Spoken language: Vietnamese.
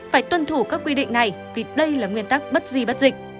phải tuân thủ các quy định này vì đây là nguyên tắc bất di bất dịch